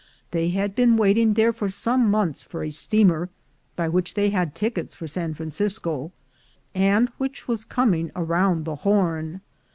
They had been waiting there for some months for a steamer, by which they had tickets for San Francisco, and which was coming round the Horn.